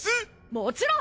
もちろん！